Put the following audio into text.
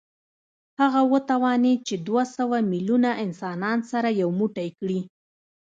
هغه وتوانېد چې دوه سوه میلیونه انسانان سره یو موټی کړي